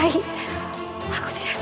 nih mas ini mas